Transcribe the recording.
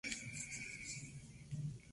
Colomba y otros.